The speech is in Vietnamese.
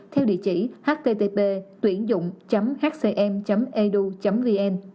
theo địa chỉ http tuyểndụng hcm edu vn